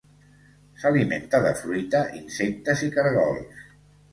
S'alimenta de fruita, insectes i caragols.